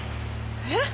えっ？